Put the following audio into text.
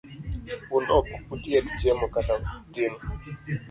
Un ok utiek chiemo kata tin?